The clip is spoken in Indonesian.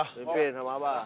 bimbing sama abah